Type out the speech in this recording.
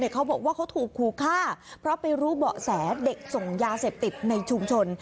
เขาบอกว่าเขาถูกขู่ฆ่าเพราะไปรู้เบาะแสเด็กส่งยาเสพติดในชุมชน